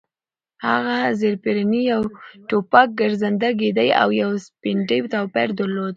هغه زېرپېرني، یو ټوپک، ګرځنده کېږدۍ او یو سټپني ټایر درلود.